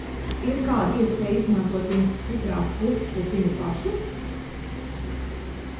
Ir kāda iespēja izmantot viņas stiprās puses pret viņu pašu?